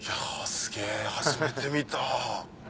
すげぇ初めて見た。